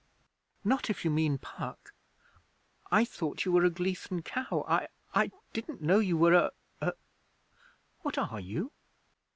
'Not if you mean Puck. I thought you were a Gleason cow. I I didn't know you were a a What are you?'